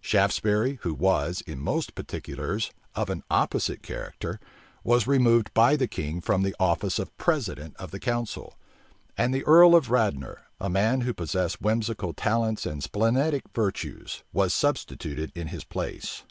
Shaftesbury, who was, in most particulars, of an opposite character, was removed by the king from the office of president of the council; and the earl of Radnor, a man who possessed whimsical talents and splenetic virtues, was substituted in his place.